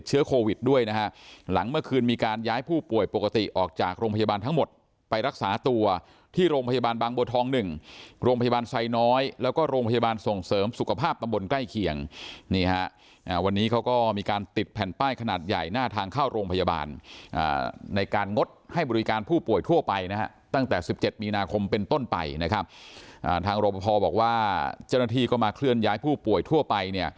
เชื้อโควิดด้วยนะฮะหลังเมื่อคืนมีการย้ายผู้ป่วยปกติออกจากโรงพยาบาลทั้งหมดไปรักษาตัวที่โรงพยาบาลบางบัวทองหนึ่งโรงพยาบาลใส่น้อยแล้วก็โรงพยาบาลส่งเสริมสุขภาพตำบลใกล้เคียงนี่ฮะอ่าวันนี้เขาก็มีการติดแผ่นป้ายขนาดใหญ่หน้าทางเข้าโรงพยาบาลอ่าในการงดให้บริการผู้ป่